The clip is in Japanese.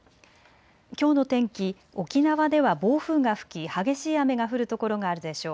きょうの天気、沖縄では暴風が吹き激しい雨が降る所があるでしょう。